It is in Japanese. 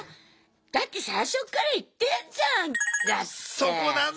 だって最初っから言ってんじゃんだって！